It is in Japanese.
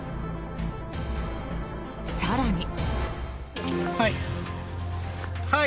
更に。